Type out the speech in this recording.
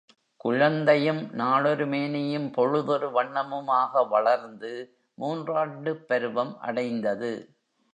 குழந்தையும் நாளொருமேனியும் பொழுதொரு வண்ணமுமாக வளர்ந்து மூன்றாண்டுப்பருவம் அடைந்தது.